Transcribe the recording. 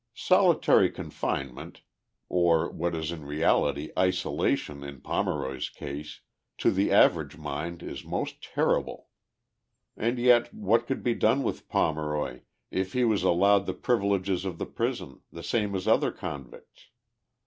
Solitary confinement, or what is in reality isolation in Pome roy's case, to the average mind is most terrible. And yet what could be done with Pomeroy if lie was allowed the privileges of the prison, the same as other convicts